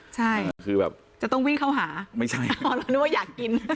ใช่คือแบบจะต้องวิ่งเข้าหาไม่ใช่อ๋อเรานึกว่าอยากกิน